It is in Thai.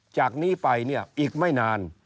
จากนี้ไปเนี่ยอีกไม่นาน